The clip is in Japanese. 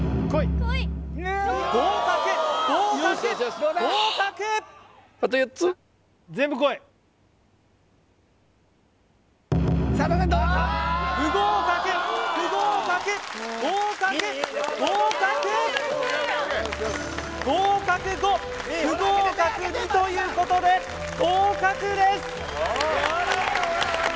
合格合格合格不合格不合格合格合格合格５不合格２ということで合格です！